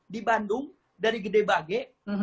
di bandung dari gede bage